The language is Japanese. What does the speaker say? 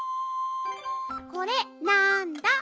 これなんだ？